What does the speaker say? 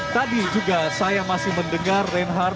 tadi juga saya masih mendengar reinhardt